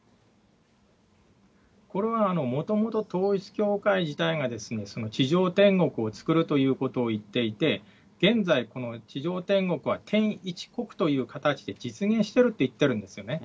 これはもともと、統一教会自体が地上天国を作るということをいっていて、現在、この地上天国は天一国という形で実現してるっていってるんですよね。